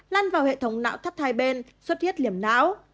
lan vào hệ thống não thắt hai bên suốt huyệt liềm não